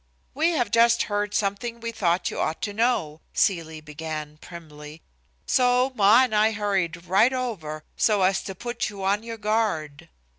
"We just heard something we thought you ought to know," Celie began primly, "so Ma and I hurried right over, so as to put you on your guard."